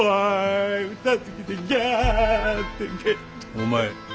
お前。